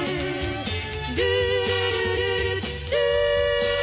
「ルールルルルルー」